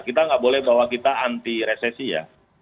kita nggak boleh bahwa kita anti resesi ya